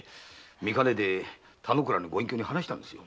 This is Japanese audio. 見かねて田之倉のご隠居に話したんですよ。